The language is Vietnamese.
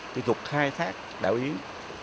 kỹ thuật khai thác đảo yến